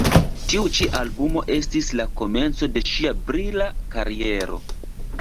Tiu ĉi albumo estis la komenco de ŝia brila kariero.